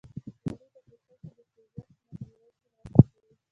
غوړې د پوټکي د سوزش مخنیوي کې مرسته کوي.